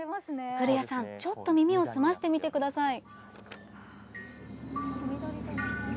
古谷さん、ちょっと耳を澄ましてみてください。